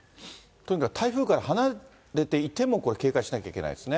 とにかく、台風から離れていても、これ、警戒しなきゃいけないですね。